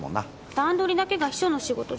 段取りだけが秘書の仕事じゃない。